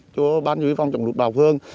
cho bán chỉ huy phòng chống lụt bào phường